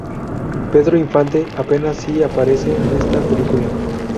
Pedro Infante apenas si aparece en esta película.